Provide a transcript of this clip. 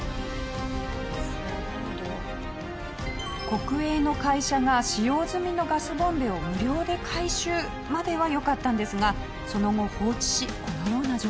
国営の会社が使用済みのガスボンベを無料で回収まではよかったんですがその後放置しこのような状態に。